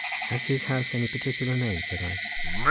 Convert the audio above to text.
"Has his house any particular name?" said I.